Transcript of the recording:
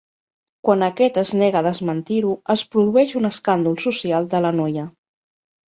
Quan aquest es nega a desmentir-ho es produeix un escàndol social de la noia.